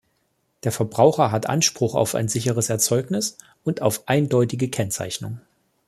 Der Verbraucher hat Anspruch auf ein sicheres Erzeugnis und auf eindeutige Kennzeichnung.